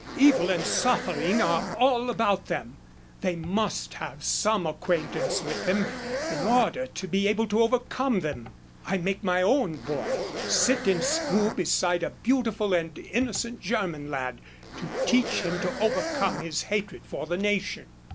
"Evil and suffering are all about them. They must have some acquaintance with them in order to be able to overcome them. I make my own boy sit in school beside a beautiful and innocent German lad, to teach him to overcome his hatred for the nation."